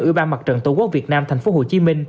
ủy ban mặt trận tổ quốc việt nam tp hcm